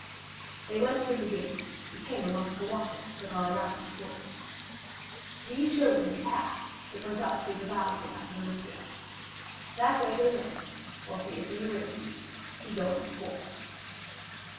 They went through the gate and came amongst the watchers that are around the portals. These showed them the path that went up through the valley of Acherusia. That way they went, Orpheus and Eurydice, he going before her.